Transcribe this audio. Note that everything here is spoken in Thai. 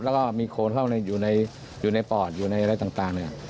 แล้วก็มีโคนเข้าอยู่ในปอดอยู่ในอะไรต่างเนี่ย